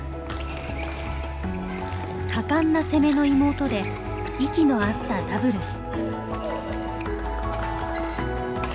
果敢な攻めの妹で息の合ったダブルス！